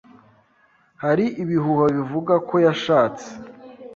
Hari ibihuha bivuga ko yashatse.